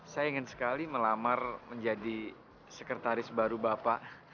saya ingin sekali melamar menjadi sekretaris baru bapak